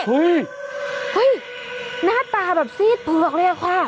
เฮ้ยหน้าตาแบบซีดเผือกเลยอะค่ะ